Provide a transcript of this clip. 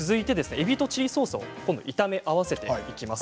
えびとチリソースを炒め合わせていきます。